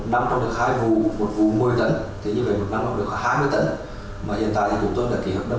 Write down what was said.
một năm trong được hai vụ một vụ một mươi tấn thế nhưng về một năm cũng được khoảng hai mươi tấn